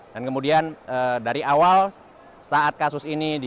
dan kemudian dari awal saat kasus ini di